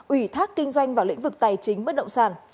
ủy thác kinh doanh vào lĩnh vực tài chính bất động sản